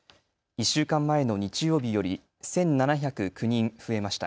１週間前の日曜日より１７０９人増えました。